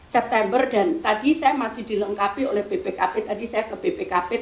september dan tadi saya masih dilengkapi oleh bpkp tadi saya ke bpkp